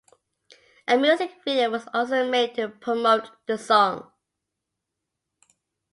A music video was also made to promote the song.